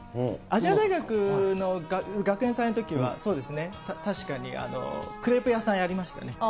亜細亜大学の学園祭のときは、そうですね、確かに、クレープ屋さんやりましたね。